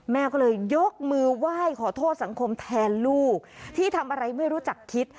แม่ก็เลยยกมือไหว้ขอโทษสังคมแทนลูกที่ทำอะไรไม่รู้จักคิด